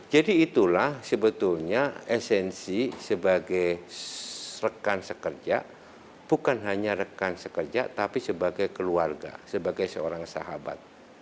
itulah sebetulnya esensi sebagai rekan sekerja bukan hanya rekan sekerja tapi sebagai keluarga sebagai seorang sahabat